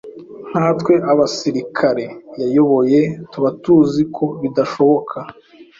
Nkatwe abasirikare yayoboye tuba tuzi ko bidashoboka